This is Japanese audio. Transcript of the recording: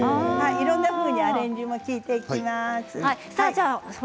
いろんなふうにアレンジも利いていきます。